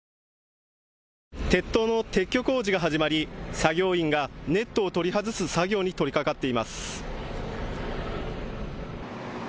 鉄塔の撤去工事が始まり作業員がネットを取り外す作業に取りかかっています。